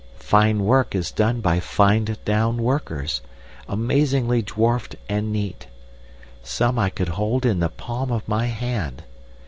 Fine work is done by fined down workers, amazingly dwarfed and neat. Some I could hold on the palm of my hand.